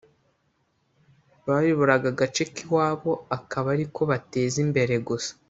bayoboraga agace k’iwabo akaba ari ko bateza imbere gusa